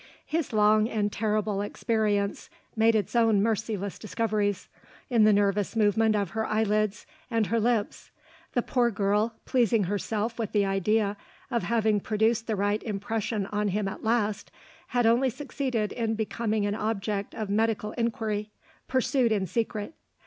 His long and terrible experience made its own merciless discoveries, in the nervous movement of her eyelids and her lips. The poor girl, pleasing herself with the idea of having produced the right impression on him at last, had only succeeded in becoming an object of medical inquiry, pursued in secret.